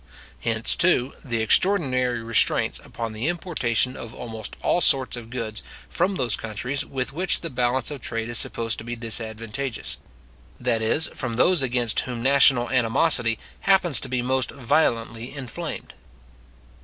Hence, too, the extraordinary restraints upon the importation of almost all sorts of goods from those countries with which the balance of trade is supposed to be disadvantageous; that is, from those against whom national animosity happens ta be most violently inflamed.